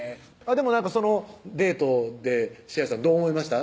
でもそのデートで詩愛さんどう思いました？